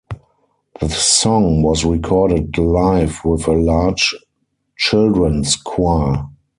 The song was recorded live with a large children's choir.